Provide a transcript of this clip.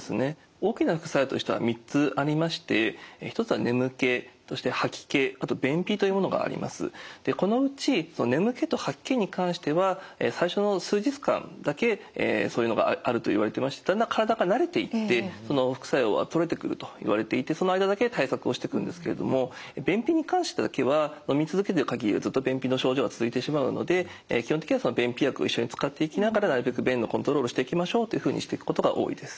大きな副作用としては３つありましてこのうち眠気と吐き気に関しては最初の数日間だけそういうのがあるといわれてましてだんだん体が慣れていってその副作用は取れてくるといわれていてその間だけ対策をしてくんですけれども便秘に関してだけはのみ続けてる限りはずっと便秘の症状が続いてしまうので基本的には便秘薬を一緒に使っていきながらなるべく便のコントロールをしていきましょうというふうにしていくことが多いです。